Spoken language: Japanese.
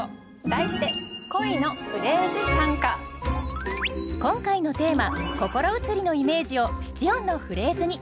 題して今回のテーマ「心移り」のイメージを七音のフレーズに。